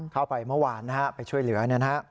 เข้าไปเมื่อวานนะครับไปช่วยเหลือเนี่ยนะครับ